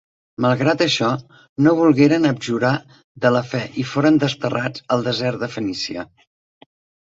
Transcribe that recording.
Malgrat això, no volgueren abjurar de la fe i foren desterrats al desert de Fenícia.